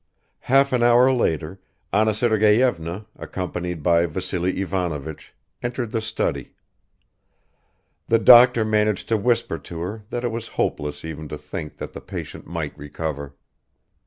Half an hour later Anna Sergeyevna, accompanied by Vassily Ivanovich, entered the study. The doctor managed to whisper to her that it was hopeless even to think that the patient might recover.